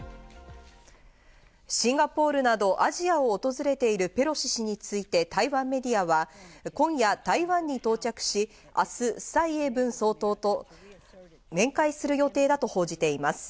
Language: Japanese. シンガポールなどアジアを訪れているペロシ氏について台湾メディアは、今夜、台湾に到着し、明日サイ・エイブン総統と面会する予定だと報じています。